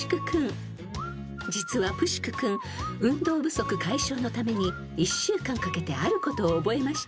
［実はプシク君運動不足解消のために１週間かけてあることを覚えました］